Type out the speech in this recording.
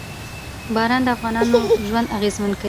باران د افغانانو ژوند اغېزمن کوي.